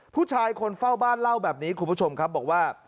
ผู้ชายคนเฝ้าบ้านเล่าแบบนี้คุณผู้ชมครับบอกว่า